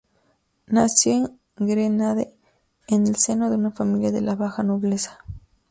Nació en Grenade, en el seno de una familia de la baja nobleza.